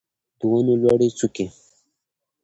د ونو لوړې څوکې